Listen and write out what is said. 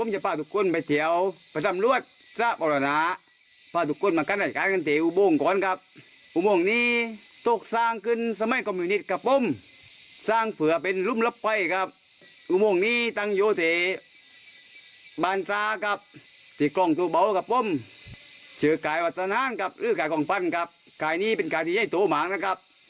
เชือกกายวัฒนธรรมหรือกายกองพันธุ์กายนี้เป็นกายที่ให้ตัวหมานะครับ